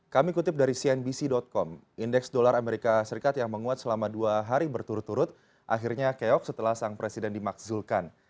kami kutip dari cnbc com indeks dolar amerika serikat yang menguat selama dua hari berturut turut akhirnya keok setelah sang presiden dimakzulkan